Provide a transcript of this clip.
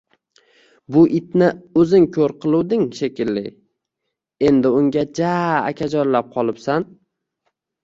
– Bu itni o‘zing ko‘r qiluvding, shekilli? Endi unga ja akajonlab qolibsan?